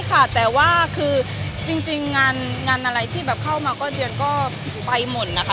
ค่ะแต่ว่าคือจริงงานอะไรที่แบบเข้ามาก็เดือนก็ไปหมดนะคะ